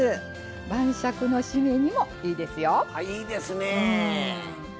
晩酌の締めにもいいですよ。